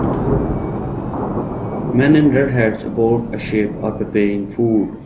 Men in red hats aboard a ship are preparing food.